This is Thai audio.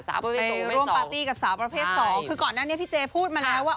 สาวประเภทสองแม่สองใช่คือก่อนหน้านี้พี่เจพูดมาแล้วว่า